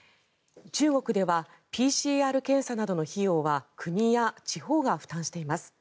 中国ではＰＣＲ検査などの費用は国や地方が負担しています。